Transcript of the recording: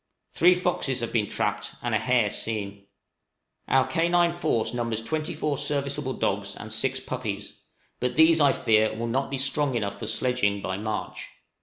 Three foxes have been trapped and a hare seen. Our canine force numbers twenty four serviceable dogs and six puppies; but these, I fear, will not be strong enough for sledging by March.